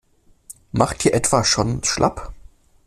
Macht ihr etwa schon schlapp?